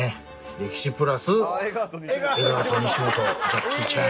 歴史プラス『江川と西本』『ジャッキー・チェン』。